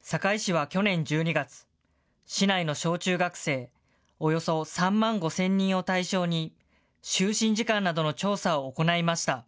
堺市は去年１２月、市内の小中学生およそ３万５０００人を対象に、就寝時間などの調査を行いました。